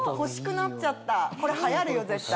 これ流行るよ絶対。